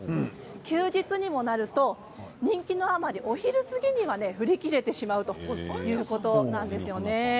休日にもなると人気のあまりお昼過ぎには売り切れてしまうということなんです。